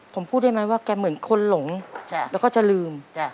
ผมพูดได้ไหมว่าแกเหมือนคนหลงแล้วก็จะลืม